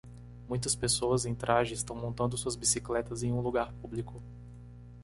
Muitas pessoas em traje estão montando suas bicicletas em um lugar público